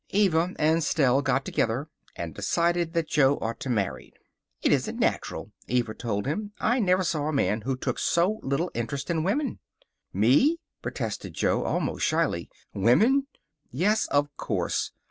Eva and Stell got together and decided that Jo ought to marry. "It isn't natural," Eva told him. "I never saw a man who took so little interest in women." "Me!" protested Jo, almost shyly. "Women!" "Yes. Of course.